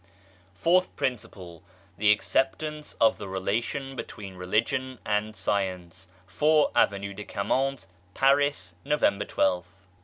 ] FOURTH PRINCIPLE THE ACCEPTANCE OF THE RELATION BETWEEN RELIGION AND SCIENCE 4, Avenue de Camoens, Paris, November 12th.